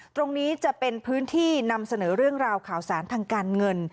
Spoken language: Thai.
ตรงนี้จะเป็นพื้นที่นำเสนอเรื่องราวข่าวสารทางการเงิน